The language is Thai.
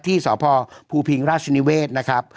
ที่สพภูพิงราชนิเวศนะครับ